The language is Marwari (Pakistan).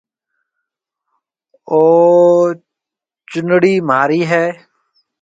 او چونڙَي مهاريَ هيَ؟